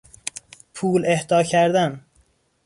پول اهدا کردن